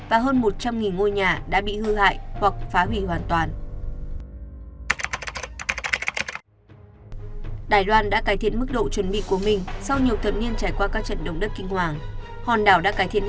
ra cố cho các tòa nhà dây bị hư hại do động đất